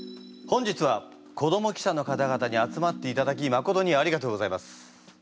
本日は子ども記者の方々に集まっていただきまことにありがとうございます。